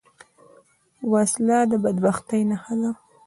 وسله د بدبختۍ نښه ده